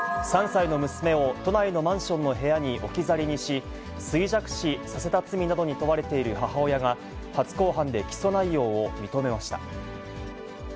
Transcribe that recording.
３歳の娘を都内のマンションの部屋に置き去りにし、衰弱死させた罪などに問われている母親が、初公判で起訴内容を認めました。